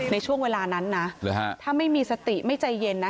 ในช่วงเวลานั้นนะถ้าไม่มีสติไม่ใจเย็นนะ